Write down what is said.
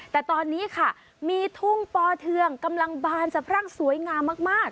แต่ตอนนี้ค่ะมีทุ่งปอเทืองกำลังบานสะพรั่งสวยงามมาก